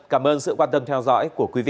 cảm ơn sự quan tâm theo dõi của quý vị